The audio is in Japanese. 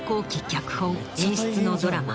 脚本演出のドラマ。